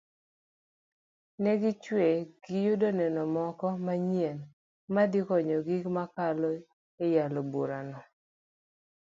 negichwe giyudo neno moko manyien madhi konyogi mokalo eyalo burano